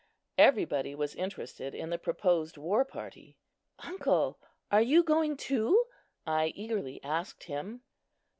Everybody was interested in the proposed war party. "Uncle, are you going too?" I eagerly asked him.